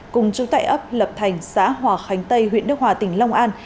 cùng chú tại ấp lập thành xã hòa khánh tây huyện đức hòa tỉnh long an